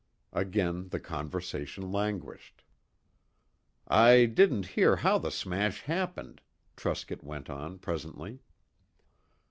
Again the conversation languished. "I didn't hear how the smash happened," Truscott went on presently.